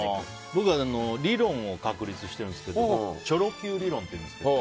僕、理論を確立してるんですけどチョロＱ理論っていうんですけど。